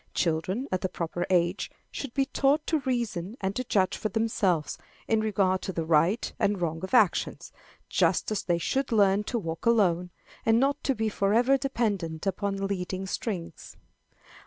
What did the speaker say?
Children, at the proper age, should be taught to reason and to judge for themselves, in regard to the right and wrong of actions, just as they should learn to walk alone, and not be forever dependent upon leading strings.